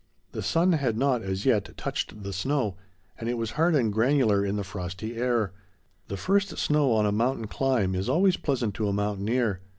The sun had not, as yet, touched the snow, and it was hard and granular in the frosty air. The first snow on a mountain climb is always pleasant to a mountaineer.